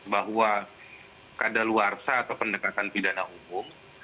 bahwa kadaluarsa atau pendekatan pidana umum